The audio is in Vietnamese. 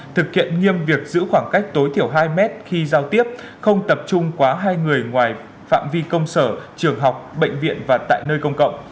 thực hiện nghiêm việc giữ khoảng cách tối thiểu hai mét khi giao tiếp không tập trung quá hai người ngoài phạm vi công sở trường học bệnh viện và tại nơi công cộng